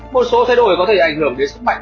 một số thay đổi có thể ảnh hưởng đến sức mạnh